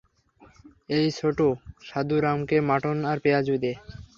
এই ছোটু, সাধু রামকে মাটন আর পেয়াজু দে।